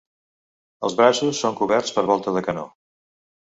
Els braços són coberts per volta de canó.